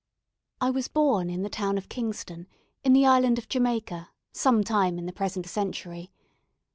I was born in the town of Kingston, in the island of Jamaica, some time in the present century.